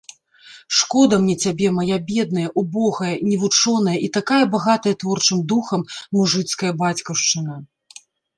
Шкода мне цябе, мая бедная, убогая, невучоная і такая багатая творчым духам мужыцкая бацькаўшчына.